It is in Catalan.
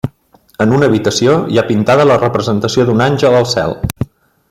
En una habitació hi ha pintada la representació d'un àngel al cel.